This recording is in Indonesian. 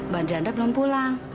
bandaranda belum pulang